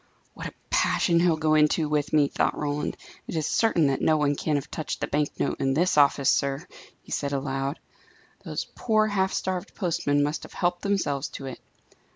"What a passion he'll go into with me!" thought Roland. "It is certain that no one can have touched the bank note in this office, sir," he said aloud. "Those poor, half starved postmen must have helped themselves to it."